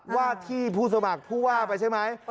ว่าที่ผู้สมัครผู้ว่าไปใช่ไหม